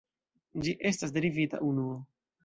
Ĝi estas derivita unuo.